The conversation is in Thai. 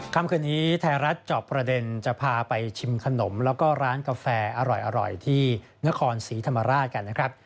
คำคืนนี้ไทยรัฐจอบประเด็นจะพาไปชิมขนมแล้วก็ร้านกาแฟอร่อยที่นครศรีธรรมราชกันนะครับ